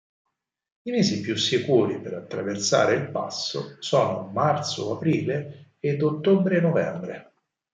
I mesi più sicuri per attraversare il passo sono marzo-aprile ed ottobre-novembre.